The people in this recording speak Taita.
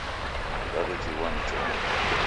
Wawejhighwa ni chongo